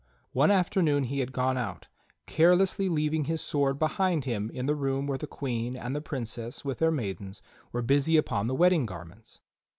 One afternoon he had gone out, carelessly leaving his sword behind him in the room where the Queen and the Princess with their maidens were busy upon the wedding garments.